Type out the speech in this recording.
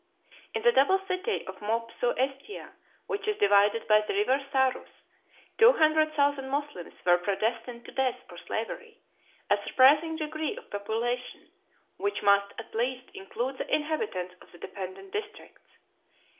In the double city of Mopsuestia, which is divided by the River Sarus, two hundred thousand Moslems were predestined to death or slavery, 115 a surprising degree of population, which must at least include the inhabitants of the dependent districts.